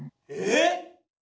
えっ！？